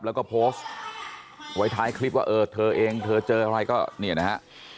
แล้วก็โพสต์ไว้ท้ายคลิปว่าเออเธอเองเธอเจออะไรก็เนี่ยนะฮะ